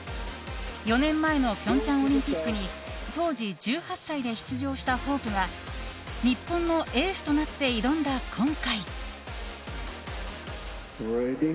４年前の平昌オリンピックに当時１８歳で出場したホープが日本のエースとなって挑んだ今回。